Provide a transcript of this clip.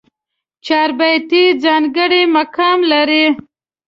چاربېتې ځانګړی مقام لري.